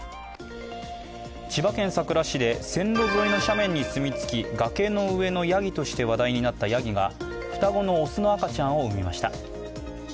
千葉県佐倉市で線路沿いの斜面に住み着き、崖の上のやぎとして話題になったやぎが双子の雄の赤ちゃんを産みました。